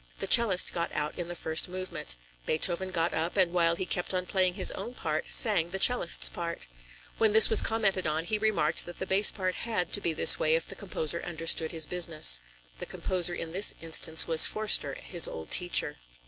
The cellist got out in the first movement. Beethoven got up, and while he kept on playing his own part, sang the cellist's part. When this was commented on, he remarked that the bass part had to be this way if the composer understood his business. The composer in this instance was Förster, his old teacher.